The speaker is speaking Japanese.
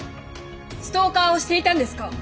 ストーカーをしていたんですか？